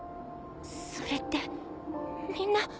それってみんな。